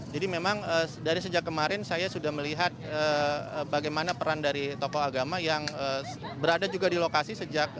jadi memang dari sejak kemarin saya sudah melihat bagaimana peran dari tokoh agama yang berada juga di lokasi sejak di malam hari